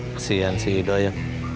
kesian sih ido ya